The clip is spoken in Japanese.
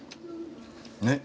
ねっ？